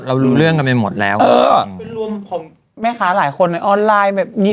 รู้เรื่องกันไปหมดแล้วเออเป็นรวมของแม่ค้าหลายคนในออนไลน์แบบนี้